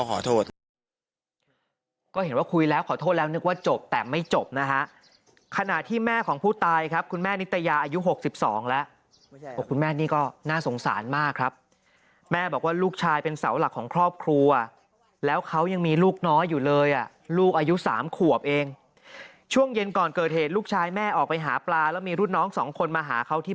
ขอโทษก็เห็นว่าคุยแล้วขอโทษแล้วนึกว่าจบแต่ไม่จบนะฮะขณะที่แม่ของผู้ตายครับคุณแม่นิตยาอายุ๖๒แล้วคุณแม่นี่ก็น่าสงสารมากครับแม่บอกว่าลูกชายเป็นเสาหลักของครอบครัวแล้วเขายังมีลูกน้อยอยู่เลยอ่ะลูกอายุ๓ขวบเองช่วงเย็นก่อนเกิดเหตุลูกชายแม่ออกไปหาปลาแล้วมีรุ่นน้องสองคนมาหาเขาที่